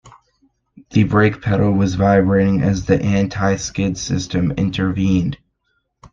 The brake pedal was vibrating as the anti-skid system intervened.